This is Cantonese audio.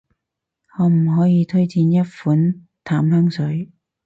可唔可以推薦一款淡香水？